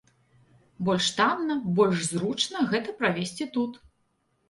Больш танна, больш зручна гэта правесці тут.